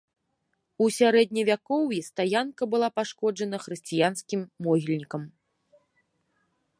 У сярэдневякоўі стаянка была пашкоджана хрысціянскім могільнікам.